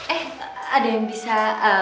eh ada yang bisa